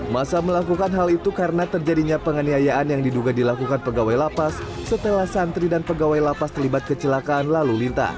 masa melakukan hal itu karena terjadinya penganiayaan yang diduga dilakukan pegawai lapas setelah santri dan pegawai lapas terlibat kecelakaan lalu lintas